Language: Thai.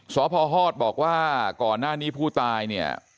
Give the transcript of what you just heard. สพฮบอกว่าก่อนหน้านี้ผู้ตายเนี่ย